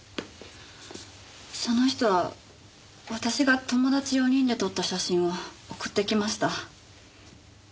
その人は私が友達４人で撮った写真を送ってきました。